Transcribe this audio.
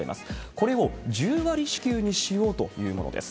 これを１０割支給にしようというものです。